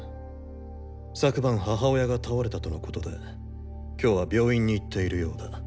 昨晩母親が倒れたとのことで今日は病院に行っているようだ。